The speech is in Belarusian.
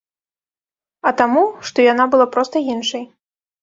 А таму, што яна была проста іншай.